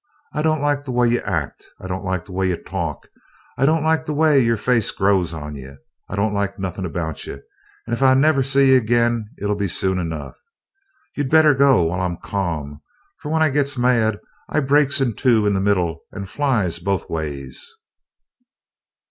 I don't like the way you act; I don't like the way you talk; I don't like the way your face grows on you; I don't like nothin' about you, and ef I never see you agin it'll be soon enough. You'd better go while I'm ca'm, for when I gits mad I breaks in two in the middle and flies both ways!"